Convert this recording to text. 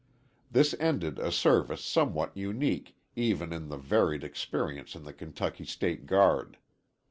This ended a service somewhat unique, even in the varied experience in the Kentucky State Guard.